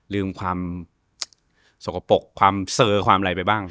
ลืมความสกปรกความเซอร์ความอะไรไปบ้าง